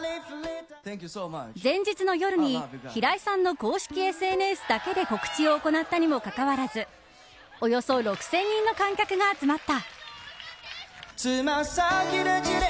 前日の夜に平井さんの公式ＳＮＳだけで告知を行ったにもかかわらずおよそ６０００人の観客が集まった。